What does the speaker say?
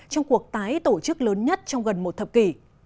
trong cuộc tái tổ chức lớn nhất trong gần một thập kỷ